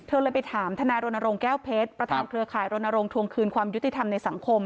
เลยไปถามทนายรณรงค์แก้วเพชรประธานเครือข่ายรณรงควงคืนความยุติธรรมในสังคม